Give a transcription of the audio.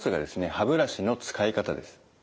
歯ブラシの使い方です。